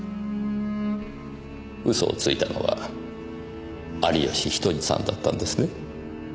嘘をついたのは有吉比登治さんだったんですね？